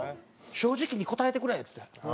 「正直に答えてくれ」っつって。